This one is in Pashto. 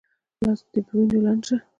لاس یې په وینو لند شو.